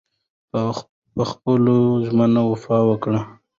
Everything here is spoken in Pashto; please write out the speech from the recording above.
په خپلو ژمنو وفا وکړئ.